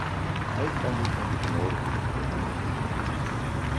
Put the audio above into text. Hij kan u van de benodigde informatie voorzien.